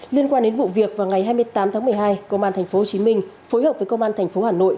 liên quan đến vụ việc vào ngày hai mươi tám tháng một mươi hai công an tp hcm phối hợp với công an tp hà nội